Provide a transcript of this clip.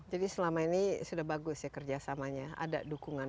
jadi selama ini sudah bagus ya kerjasamanya ada dukungan